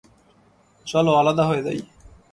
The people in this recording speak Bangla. চল আলাদা হয়ে যাই।